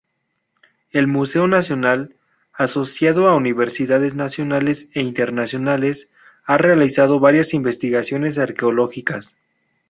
El Museo Nacional, asociado a universidades nacionales e internacionales, ha realizado varias investigaciones arqueológicas.